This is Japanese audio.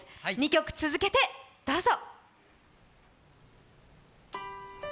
２曲続けてどうぞ。